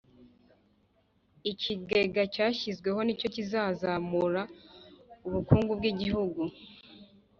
Ikigega cyashyizweho nicyo kizazamura ubukungu bw’igihugu